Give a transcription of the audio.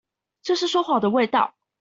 這是說謊的味道